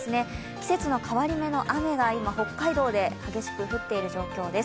季節の変わり目の雨が今、北海道で激しく降っているという状況です。